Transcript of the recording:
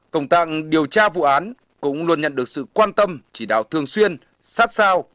công tạng điều tra vụ án cũng luôn nhận được sự quan tâm chỉ đạo thường xuyên sát sao